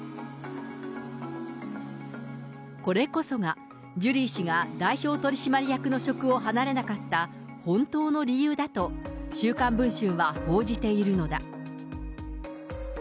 これこそが、ジュリー氏が代表取締役の職を離れなかった本当の理由だと、週刊文春は報じているのだ。